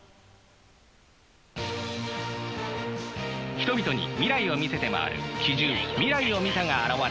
人々に未来を見せて回る奇獣未来を見たが現れた。